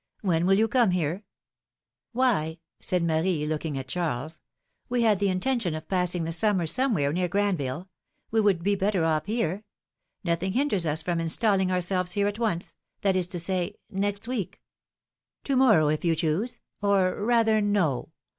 When wdll you come here?^^ Why,^^ said Marie, looking at Charles, we had the intention of passing the summer somewhere near Gran ville; we would be better off here; nothing hinders us from installing ourselves here at once — that is to say, next week — To morrow, if you choose ! or rather, no